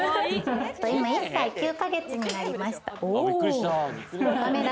今、１歳９ヶ月になりました。